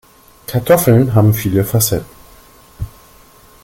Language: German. Kartoffeln haben viele Facetten.